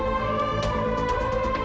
aku mau mencari uang buat bayar tebusan